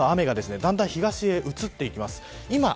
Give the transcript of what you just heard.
今の雨がだんだん東に移っていきます。